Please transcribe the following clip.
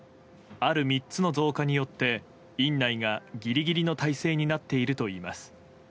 ある３つの増加によって院内がギリギリの体制になっているといいます。